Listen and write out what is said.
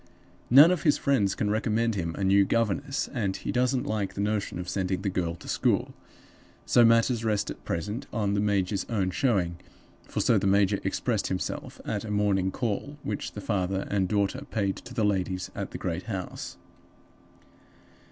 None of his friends can recommend him a new governess and he doesn't like the notion of sending the girl to school. So matters rest at present, on the major's own showing; for so the major expressed himself at a morning call which the father and daughter paid to the ladies at the great house.